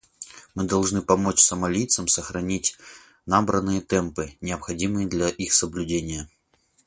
Мы должны помочь сомалийцам сохранить набранные темпы, необходимые для их соблюдения.